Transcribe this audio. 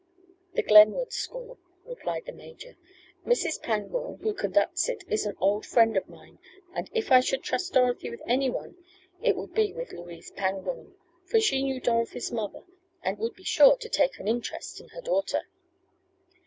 "The Glenwood School," replied the major. "Mrs. Pangborn, who conducts it, is an old friend of mine, and if I should trust Dorothy with anyone it would be with Louise Pangborn, for she knew Dorothy's mother and would be sure to take an interest in her daughter."